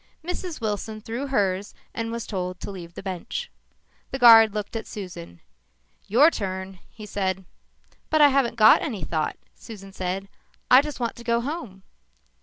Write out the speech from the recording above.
Mrs. Wilson threw hers and was told to leave the bench. The guard looked at Susan. "Your turn," he said. "But I haven't got any thought," Susan said. "I just want to go home."